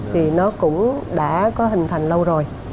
thì nó cũng đã có hình thành lâu rồi